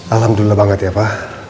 alhamdulillah banget ya pak